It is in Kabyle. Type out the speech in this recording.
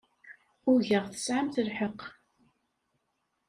Ugaɣ tesɛamt lḥeqq.